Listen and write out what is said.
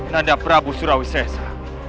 nanda prabu surawi sesa